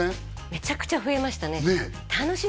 めちゃくちゃ増えましたねねえ